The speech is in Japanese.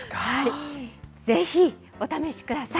ぜひ、お試しください。